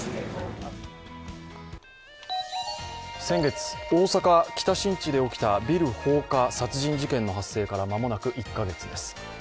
先月、大阪・北新地で起きたビル放火殺人事件の発生から間もなく１カ月です。